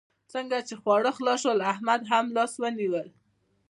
څنګه چې خواړه خلاص شول؛ احمد هم لاس ونيول.